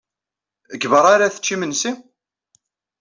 Deg beṛṛa ara tečč imensi?